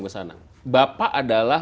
kesana bapak adalah